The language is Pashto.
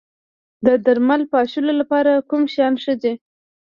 د درمل پاشلو لپاره کوم ماشین ښه دی؟